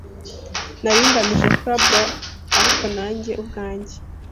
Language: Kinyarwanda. Nari ngamije Pebble - ariko Nanjye ubwanjye